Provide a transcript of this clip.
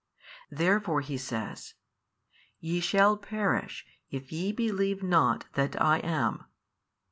Therefore He says, Ye shall perish if ye believe not that I am.